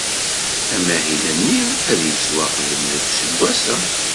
Amahil-nni ad yettwaxdem deg useggas.